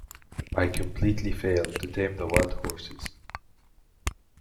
I completely failed to tame the wild horses.